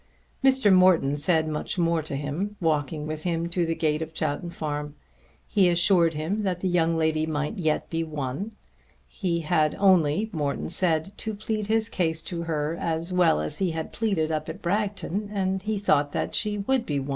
Mr. Morton said much more to him, walking with him to the gate of Chowton Farm. He assured him that the young lady might yet be won. He had only, Morton said, to plead his case to her as well as he had pleaded up at Bragton and he thought that she would be won.